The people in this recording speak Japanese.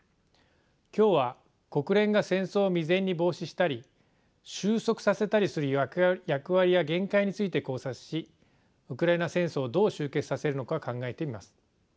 今日は国連が戦争を未然に防止したり収束させたりする役割や限界について考察しウクライナ戦争をどう終結させるのか考えてみます。